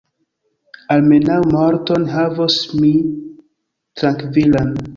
Almenaŭ morton havos mi trankvilan.